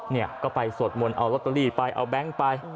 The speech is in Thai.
เนี่ยก็ไปสวดมนต์เอาลอตเตอรี่ไปเอาแก๊งไป